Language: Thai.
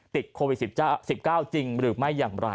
ติดโควิด๑๙จริงหรือไม่อย่างไร